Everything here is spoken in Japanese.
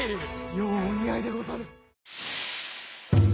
ようお似合いでござる。